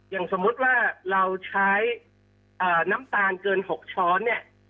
อย่างสมมุติว่าเราใช้น้ำตาลเกิน๖ช้อนเนี่ย